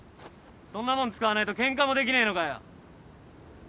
そんなもん使わねえとケンカもできねえのかよ。